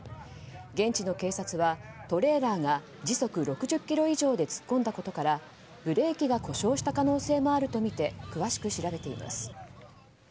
現地の警察はトレーラーが時速６０キロ以上で突っ込んだことからブレーキが故障した可能性もあるとみて詳しく調べています。